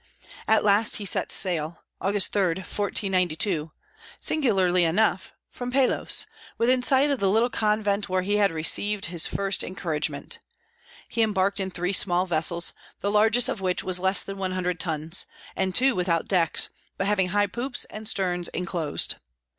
At last he sets sail, August 3, 1492, and, singularly enough, from Palos, within sight of the little convent where he had received his first encouragement. He embarked in three small vessels, the largest of which was less than one hundred tons, and two without decks, but having high poops and sterns inclosed.